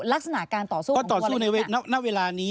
ลักษณะการต่อสู้ของคนอะไรแบบนี้